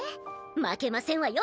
負けませんわよ